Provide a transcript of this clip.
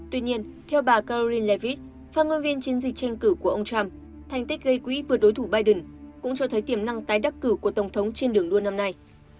tuy nhiên theo bà karivid phát ngôn viên chiến dịch tranh cử của ông trump thành tích gây quỹ vượt đối thủ biden cũng cho thấy tiềm năng tái đắc cử của tổng thống trên đường đua năm nay